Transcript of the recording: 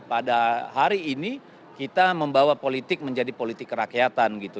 pada hari ini kita membawa politik menjadi politik kerakyatan gitu